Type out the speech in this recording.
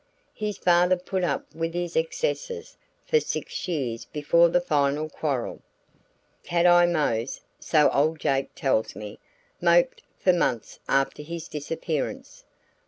His father put up with his excesses for six years before the final quarrel. Cat Eye Mose, so old Jake tells me, moped for months after his disappearance.